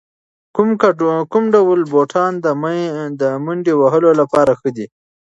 کوم ډول بوټان د منډې وهلو لپاره ښه دي؟